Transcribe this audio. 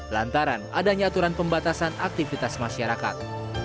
lantaran adanya aturan pembatasan aktivitas masyarakat